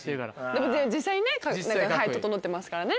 でもね実際ね整ってますからね。